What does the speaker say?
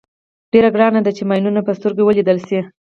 ډېره ګرانه ده چې ماینونه په سترګو ولیدل شي.